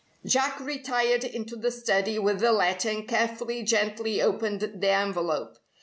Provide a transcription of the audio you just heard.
Jack retired into the study with the letter and carefully, gently opened the envelope.